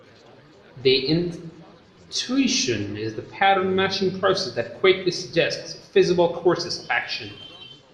The intuition is the pattern-matching process that quickly suggests feasible courses of action.